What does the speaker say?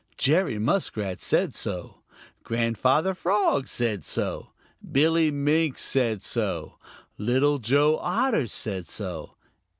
Jerry Muskrat said so. Grandfather Frog said so. Billy Mink said so. Little Joe Otter said so.